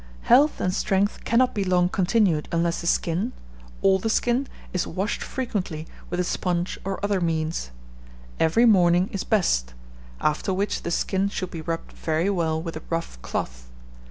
Health and strength cannot be long continued unless the skin all the skin is washed frequently with a sponge or other means. Every morning is best; after which the skin should be rubbed very well with a rough cloth.